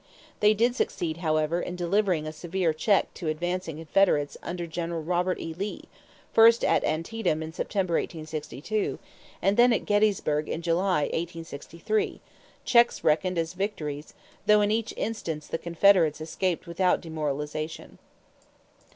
They did succeed, however, in delivering a severe check to advancing Confederates under General Robert E. Lee, first at Antietam in September, 1862, and then at Gettysburg in July, 1863 checks reckoned as victories though in each instance the Confederates escaped without demoralization.